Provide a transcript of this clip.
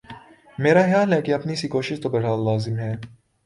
میرا خیال ہے کہ اپنی سی کوشش تو بہر حال لازم ہے۔